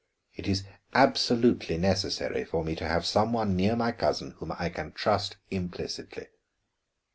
It is absolutely necessary for me to have some one near my cousin whom I can trust implicitly."